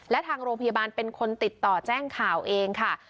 และทางโรงพยาบาลเป็นคนติดต่อแจ้งข่าวเองค่ะ